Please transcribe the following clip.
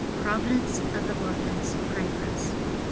providence of the orphans, pray for us.